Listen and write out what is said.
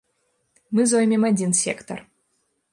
Мы зоймем адзін сектар.